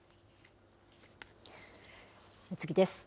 次です。